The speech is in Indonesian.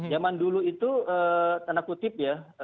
zaman dulu itu tanda kutip ya